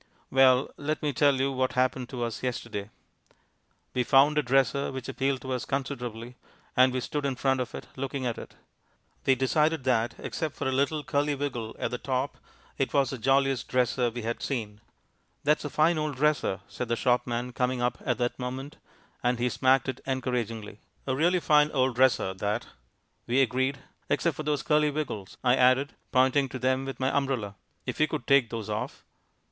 Well, let me tell you what happened to us yesterday. We found a dresser which appealed to us considerably, and we stood in front of it, looking at it. We decided that except for a little curley wiggle at the top it was the jolliest dresser we had seen, "That's a fine old dresser," said the shopman, coming up at that moment, and he smacked it encouragingly. "A really fine old dresser, that." We agreed. "Except for those curley wiggles," I added, pointing to them with my umbrella. "If we could take those off."